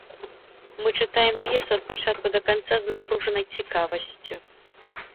Мы чытаем п'есу ад пачатку да канца з напружанай цікавасцю.